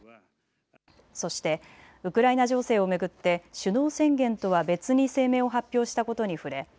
そしてウクライナ情勢を巡って首脳宣言とは別に声明を発表したことに触れ